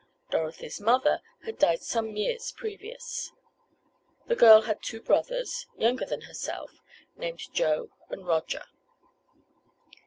Dorothy's mother had died some years previous. The girl had two brothers, younger than herself, named Joe and Roger.